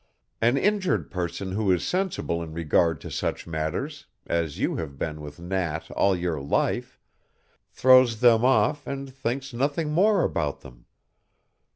An injured person who is sensible in regard to such matters, as you have been with Nat all your life, throws them off and thinks nothing more about them.